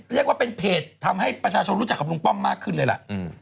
เรียกว่าเป็นเพจทำให้ประชาชนรู้จักกับลุงป้อมมากขึ้นเลยล่ะ